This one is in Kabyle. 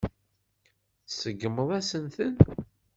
Tseggmeḍ-asent-ten.